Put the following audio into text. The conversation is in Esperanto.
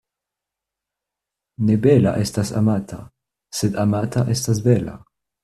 Ne bela estas amata, sed amata estas bela.